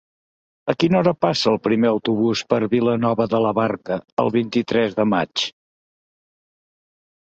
A quina hora passa el primer autobús per Vilanova de la Barca el vint-i-tres de maig?